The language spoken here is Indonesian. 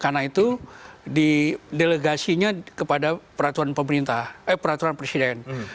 karena itu di delegasinya kepada peraturan presiden